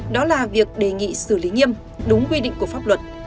đó là việc đề nghị xử lý nghiêm đúng quy định của pháp luật